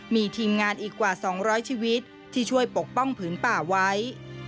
มีทีมงานอีกกว่า๒๐๐ชีวิตที่ช่วยปกป้องผืนป่าไว้